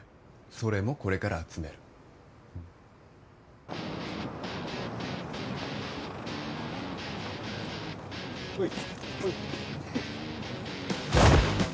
それもこれから集めるほい